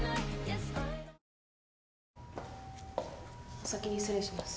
お先に失礼します。